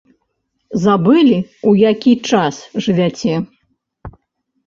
Забылі, у які час жывяце?